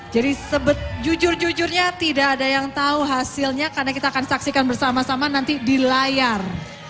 jadi sebetulnya tidak ada yang tahu hasilnya karena kita akan saksikan bersama sama nanti di layar